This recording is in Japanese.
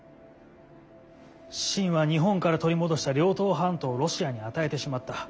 清は日本から取り戻した遼東半島をロシアに与えてしまった。